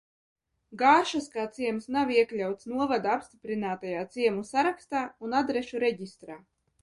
Gāršas kā ciems nav iekļauts novada apstiprinātajā ciemu sarakstā un adrešu reģistrā.